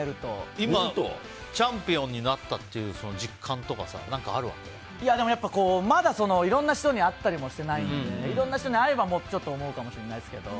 今、チャンピオンになったという実感とかやっぱりまだいろんな人に会ったりしてないのでいろんな人に会えばもうちょっと思うかもしれないですけど。